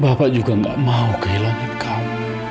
bapak juga gak mau kehilangan kamu